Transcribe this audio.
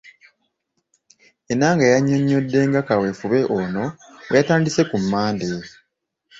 Enanga yannyonnyodde nga kaweefube ono bwe yatandise ku Mmande.